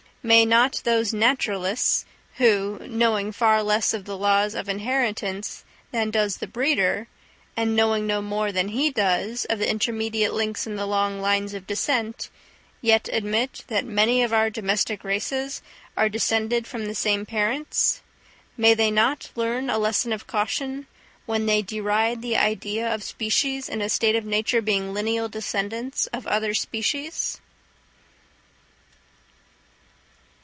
May not those naturalists who, knowing far less of the laws of inheritance than does the breeder, and knowing no more than he does of the intermediate links in the long lines of descent, yet admit that many of our domestic races are descended from the same parents—may they not learn a lesson of caution, when they deride the idea of species in a state of nature being lineal descendants of other species?